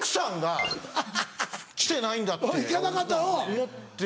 思って。